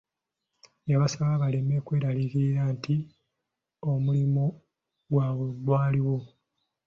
Yabasaba baleme kwerariikirira nti omulimo gwabwe gwaliwo.